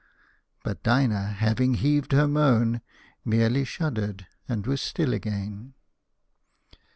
But Dinah, having heaved her moan, merely shuddered and was still again.